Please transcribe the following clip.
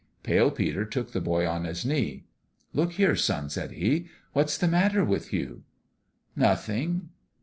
Pale Peter took the boy on his knee. " Look here, son," said he ;" what's the matter with you?" " Nothing."